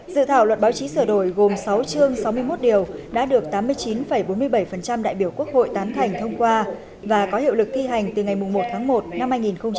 dự thảo luật báo chí sửa đổi gồm sáu chương sáu mươi một điều đã được tám mươi chín bốn mươi bảy đại biểu quốc hội tán thành thông qua và có hiệu lực thi hành từ ngày một tháng một năm hai nghìn hai mươi